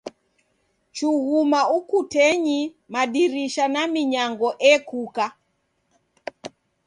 Chughuma ukutenyi, madirisha na minyango ekuka.